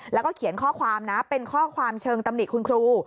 แล้วก็เขียนข้อความนะเป็นข้อความเชิงตำหนิคุณครู